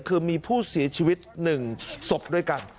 คือมีผู้เสียชีวิตหนึ่งสบด้วยกัน